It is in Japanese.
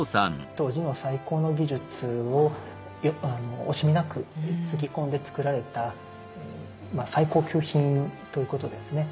当時の最高の技術を惜しみなくつぎ込んでつくられた最高級品ということですね。